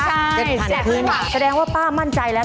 ใช่๗๐๐๐ขึ้นอ่ะแสดงว่าป้ามั่นใจแล้ว